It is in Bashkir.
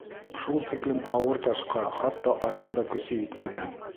Шул тиклем ауыр ташҡа, хатта Айҙың да көсө етмәгән.